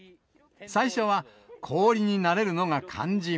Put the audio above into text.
最初は氷になれるのが肝心。